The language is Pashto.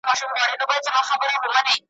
کله کله د دې لپاره لیکل کیږي ,